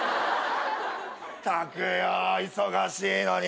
ったくよ忙しいのに。